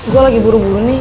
gue lagi buru buru nih